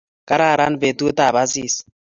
kararan petutap asis